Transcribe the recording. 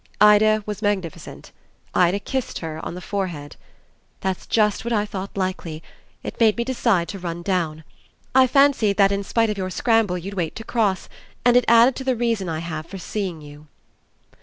Ida was magnificent; Ida kissed her on the forehead. "That's just what I thought likely; it made me decide to run down. I fancied that in spite of your scramble you'd wait to cross, and it added to the reason I have for seeing you."